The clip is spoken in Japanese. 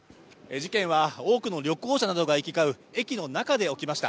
事件は多くの旅行者などが行き交う駅の中で起こりました。